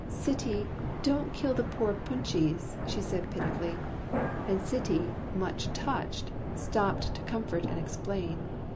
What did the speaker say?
"Sittie, don't kill the poor pûchies!" she said pitifully; and Sittie, much touched, stopped to comfort and explain.